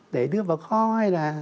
để đưa vào kho hay là